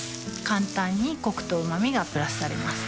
簡単にコクとうま味がプラスされます